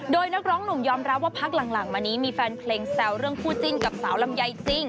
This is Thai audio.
โดยนักร้องหนุ่มยอมรับว่าพักหลังมานี้มีแฟนเพลงแซวเรื่องคู่จิ้นกับสาวลำไยจริง